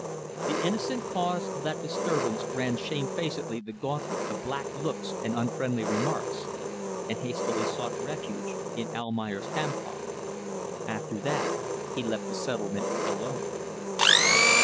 The innocent cause of that disturbance ran shamefacedly the gauntlet of black looks and unfriendly remarks, and hastily sought refuge in Almayer's campong. After that he left the settlement alone.